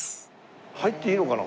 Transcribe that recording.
入っていいのかな？